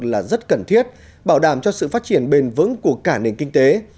là rất cần thiết bảo đảm cho sự phát triển bền vững của cả nền kinh tế